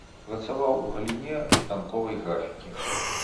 Працаваў у галіне станковай графікі.